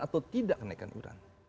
atau tidak kenaikan iuran